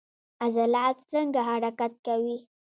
عضلات څنګه حرکت کوي؟